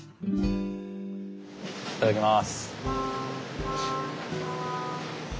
いただきます。